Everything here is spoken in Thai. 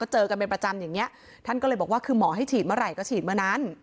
เจอกันเป็นประจำอย่างนี้ท่านก็เลยบอกว่าคือหมอให้ฉีดเมื่อไหร่ก็ฉีดเมื่อนั้น